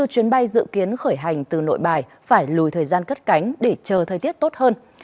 hai mươi chuyến bay dự kiến khởi hành từ nội bài phải lùi thời gian cất cánh để chờ thời tiết tốt hơn